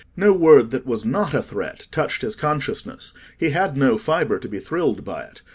No word that was not a threat touched his consciousness; he had no fibre to be thrilled by it.